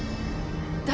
誰？